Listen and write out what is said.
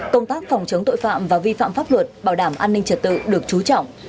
công tác phòng chống tội phạm và vi phạm pháp luật bảo đảm an ninh trật tự được trú trọng